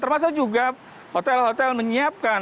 termasuk juga hotel hotel menyiapkan